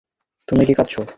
তুমি, তুমি কি কাঁদছো?